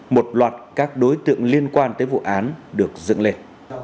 một loạt các đối tượng liên quan tới vụ án được dựng lên